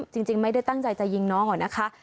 จริงไม่ได้ตั้งใจจะยิงน้องอะนะคะ